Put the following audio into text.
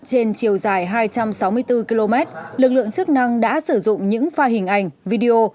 trên chiều dài hai trăm sáu mươi bốn km lực lượng chức năng đã sử dụng những pha hình ảnh video